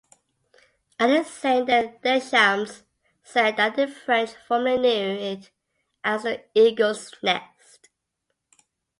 Alexander Deschamps said that the French formerly knew it as "the Eagle's Nest".